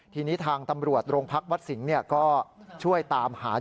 ทีนี้ทางตำรวจโรงพักวัดสิงห์ก็ช่วยตามหา